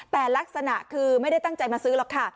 แต่ลักษณะคือไม่ได้ตั้งใจมาซื้อหรอกค่ะ